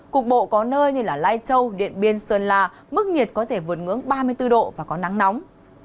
cục bộ có nơi như lai châu điện biên sơn la mức nhiệt có thể vượt ngưỡng ba mươi bốn độ và có nắng nóng